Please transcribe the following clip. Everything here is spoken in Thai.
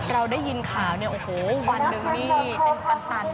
เราได้ยินข่าววันนึงนี่เป็นปันตัน